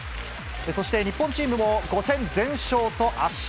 そして日本チームも５戦全勝と圧勝。